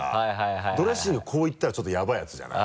ドレッシングこういったらちょっとヤバイやつじゃない？